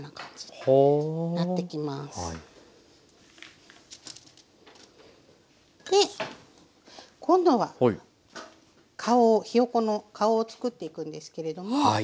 で今度は顔をひよこの顔をつくっていくんですけれども。